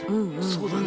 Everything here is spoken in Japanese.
そうだね。